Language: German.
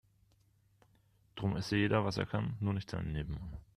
Drum esse jeder was er kann, nur nicht seinen Nebenmann.